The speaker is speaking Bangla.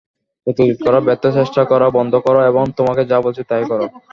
প্রতিরোধ করার ব্যর্থ চেষ্টা করা বন্ধ কর এবং তোমাকে যা বলছি তাই কর।